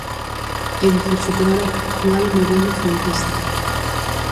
É dicir, superar o actual modelo frontista.